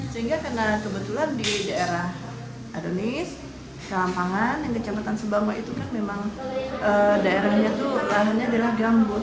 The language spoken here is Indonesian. sehingga karena kebetulan di daerah adonis kelampangan dan kecamatan subangwa itu kan memang daerahnya itu lahannya adalah gambut